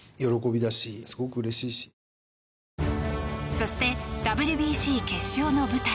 そして、ＷＢＣ決勝の舞台